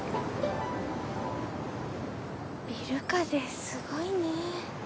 ビル風すごいねぇ。